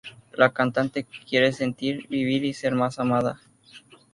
La cantante quiere sentir, vivir y ser más amada.